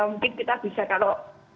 mungkin kita bisa kalau